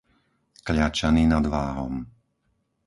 Kľačany nad Váhom